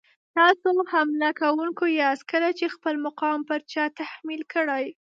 تاسو حمله کوونکي یاست کله چې خپل مقام پر چا تحمیل کړئ.